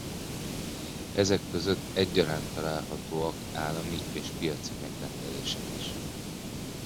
Ezek között egyaránt találhatóak állami és piaci megrendelések is.